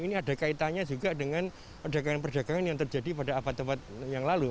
ini ada kaitannya juga dengan perdagangan perdagangan yang terjadi pada abad abad yang lalu